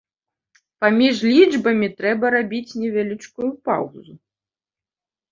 Паміж лічбамі трэба рабіць невялічкую паўзу.